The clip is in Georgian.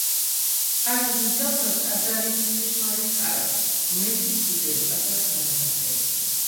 კარვის მსგავსად ტაძარიც „ჭეშმარიტ კარავს“, ღმერთის სულიერ ტაძარს განასახიერებდა.